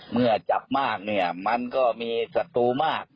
เมื่อจับมากเนี่ยมันก็มีศัตรูมาก